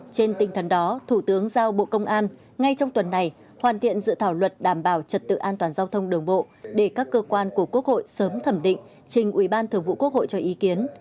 trên tinh thần đó thủ tướng giao bộ công an ngay trong tuần này hoàn thiện dự thảo luật đảm bảo trật tự an toàn giao thông đường bộ để các cơ quan của quốc hội sớm thẩm định trình ủy ban thường vụ quốc hội cho ý kiến